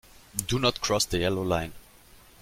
Do not cross the yellow line.